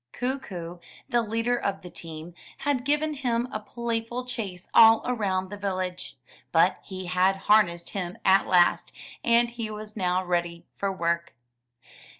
Kookoo, the leader of the team, had given him a playful chase all around the village; but he had harnessed him at last, and he was now ready for work.